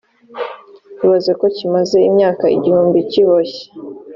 ibaze ko kimaze imyaka igihumbi kiboshye